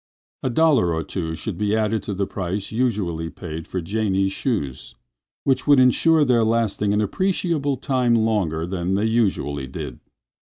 A dollar or two should be added to the price usually paid for Janie's shoes, which would insure their lasting an appreciable time longer than they usually did.